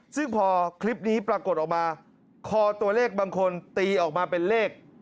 ซึ่งพอคลิปนี้ปรากฏออกมาคอตัวเลขบางคนตีออกมาเป็นเลข